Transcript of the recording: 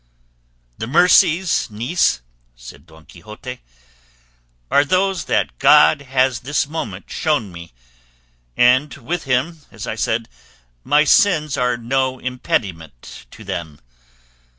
"The mercies, niece," said Don Quixote, "are those that God has this moment shown me, and with him, as I said, my sins are no impediment to them.